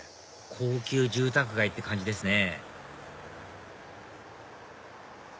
高級住宅街って感じですね